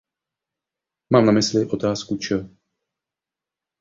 Mám na mysli to otázku č.